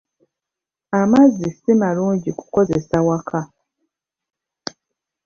Amazzi si malungi kukozesa waka.